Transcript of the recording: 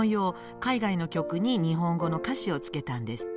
海外の曲に日本語の歌詞を付けたんですって。